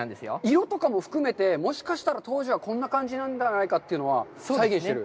色とかも含めて、もしかしたら当時はこんな感じではないかというのは再現している？